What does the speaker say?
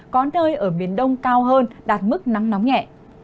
có nơi ở miền đông cao hơn đạt mức nắng nóng nhẹ